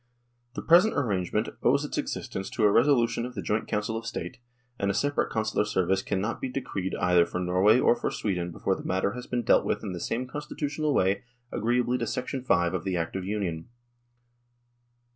The present arrangement owes its existence to a reso lution of the joint Council of State, and a separate consular service cannot be decreed either for Norway or for Sweden before the matter has been dealt with H 2 100 NORWAY AND THE UNION WITH SWEDEN in the same constitutional way agreeably to 5 of the Act of Union.